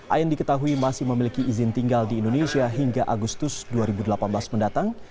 ain diketahui masih memiliki izin tinggal di indonesia hingga agustus dua ribu delapan belas mendatang